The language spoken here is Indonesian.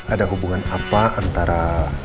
ada hubungan apa antara